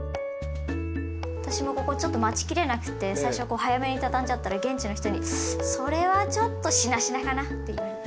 私もここちょっと待ちきれなくて最初こう早めに畳んじゃったら現地の人に「それはちょっとしなしなかな」って言われて。